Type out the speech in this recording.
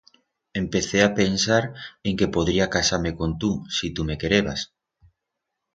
Empecé a pensar en que podría casar-me con tu, si tu me querebas.